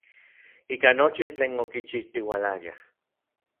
Ika nochi tlen okichijtiualayaj.